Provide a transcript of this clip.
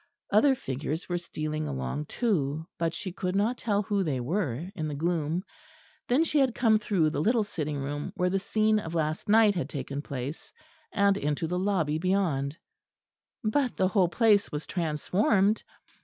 Other figures were stealing along too; but she could not tell who they were in the gloom. Then she had come through the little sitting room where the scene of last night had taken place and into the lobby beyond. But the whole place was transformed.